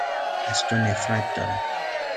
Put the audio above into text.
از تو نفرت دارم.